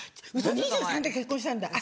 ２３歳で結婚したんだ。